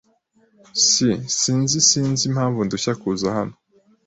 S SinziSinzi impamvu ndushya kuza hano.